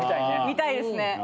見たいですね。